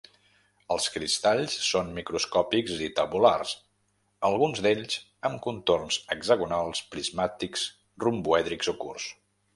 Els cristalls són microscòpics i tabulars, alguns d'ells amb contorns hexagonals, prismàtics romboèdrics o curts.